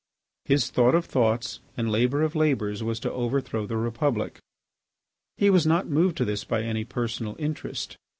His thought of thoughts and labour of labours was to overthrow the Republic. He was not moved to this by any personal interest.